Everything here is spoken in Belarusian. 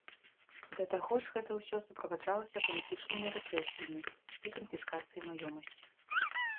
Да таго ж гэта ўсё суправаджалася палітычнымі рэпрэсіямі і канфіскацыяй маёмасці.